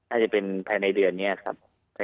อาจจะเป็นภายในเดือนนี้ครับ